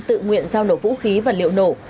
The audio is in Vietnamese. tự nguyện giao nổ vũ khí và liệu nổ